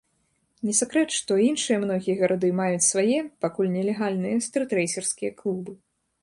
Не сакрэт, што іншыя многія гарады маюць свае, пакуль нелегальныя, стрытрэйсерскія клубы.